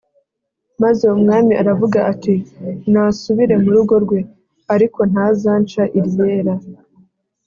Maze umwami aravuga ati “Nasubire mu rugo rwe, ariko ntazanca iryera.”